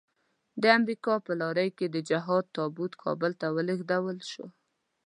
د امريکا په لارۍ کې د جهاد تابوت کابل ته ولېږدول شو.